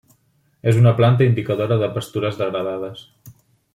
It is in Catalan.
És una planta indicadora de pastures degradades.